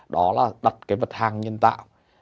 đó là đặt cái vật hàng nhân tạo